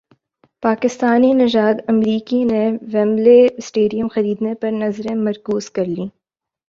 پاکستانی نژاد امریکی نے ویمبلے اسٹیڈیم خریدنے پر نظریں مرکوز کر لیں